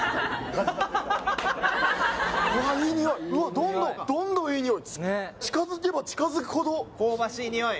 どんどんどんどんいいニオイ近づけば近づくほど香ばしいニオイ